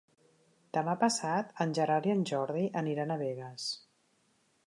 Demà passat en Gerard i en Jordi aniran a Begues.